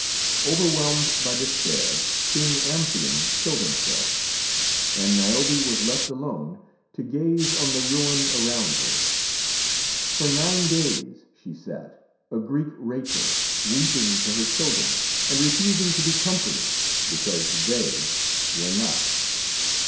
Overwhelmed by despair, King Amphion killed himself, and Niobe was left alone to gaze on the ruin around her. For nine days she sat, a Greek Rachel, weeping for her children and refusing to be comforted, because they were not.